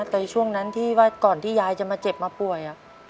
แต่ช่วงนั้นก่อนที่ยายจะมาเจ็บมาป่วย